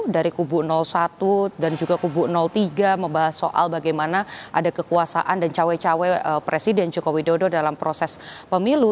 dari kubu satu dan juga kubu tiga membahas soal bagaimana ada kekuasaan dan cawe cawe presiden joko widodo dalam proses pemilu